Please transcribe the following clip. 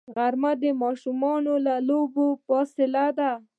غرمه د ماشوم له لوبو فاصله ده